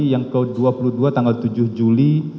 yang ke dua puluh dua tanggal tujuh juli